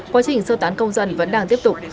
quá trình sơ tán công dân vẫn đang tiếp tục